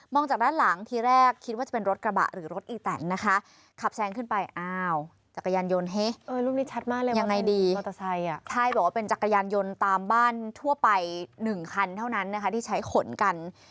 มองจากด้านหลังทีแรกคิดว่าจะเป็นรถกระบะหรือรถอีตันนะคะขับแซงขึ้นไปอ้าวจักรยานยนต์ฮึยังไงดีไทรบอกว่าเป็นจักรยานยนต์ตามบ้านทั่วไป๑คันเท่านั้นนะคะที่ใช้ขนกัน